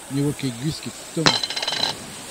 Ne oa ket gwisket tomm.